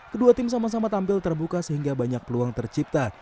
kedua tim sama sama tampil terbuka sehingga banyak peluang tercipta